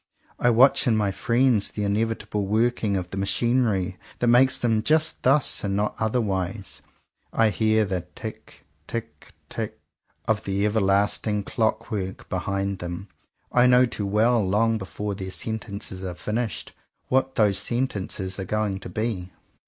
I watch in my friends the inevitable working of the machinery that makes theipi just thus and not otherwise. I hear the "tick 159 CONFESSIONS OF TWO BROTHERS tick tick" of the everlasting clock work be hind them. I know too well, long before their sentences are finished, what those sentences are going to be.